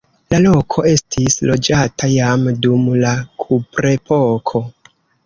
La loko estis loĝata jam dum la kuprepoko.